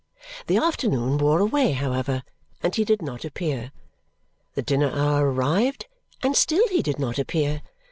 The afternoon wore away, however, and he did not appear. The dinner hour arrived, and still he did not appear.